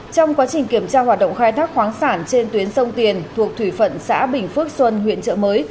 trong quá trình kiểm tra hoạt động khai thác khoáng sản trên tuyến sông tiền thuộc thủy phận xã bình phước xuân huyện trợ mới